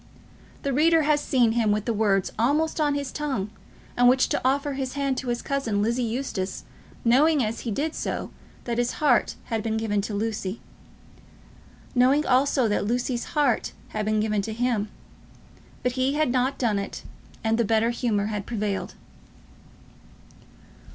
The reader has seen him with the words almost on his tongue with which to offer his hand to his cousin, Lizzie Eustace, knowing as he did so that his heart had been given to Lucy, knowing also that Lucy's heart had been given to him! But he had not done it, and the better humour had prevailed.